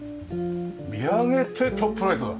見上げてトップライトだ。